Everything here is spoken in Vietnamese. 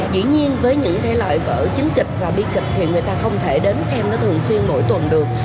dĩ nhiên với những thể loại vở chính kịch và bi kịch thì người ta không thể đến xem nó thường xuyên mỗi tuần được